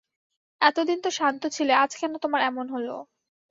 এতদিন তো শান্ত ছিলে, আজ কেন তোমার এমন হল।